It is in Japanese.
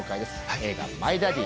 映画『マイ・ダディ』